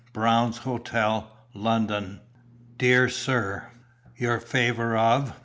"Brown's Hotel, London. "DEAR SIR, Your favour of